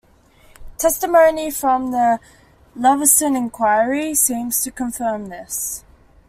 Testimony from the Leveson Inquiry seems to confirm this.